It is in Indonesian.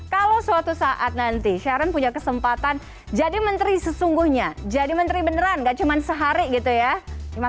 kalau suatu saat nanti sharon punya kesempatan jadi menteri sesungguhnya jadi menteri beneran gak cuma sehari gitu ya